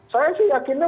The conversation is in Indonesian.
saya sih yakinnya